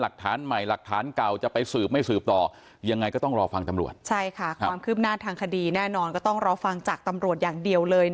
ก็จะเป็นผลดีมากครับ